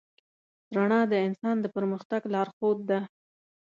رڼا د انسان د پرمختګ لارښود ده.